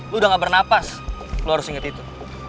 lo udah gak bernafas lo harus inget itu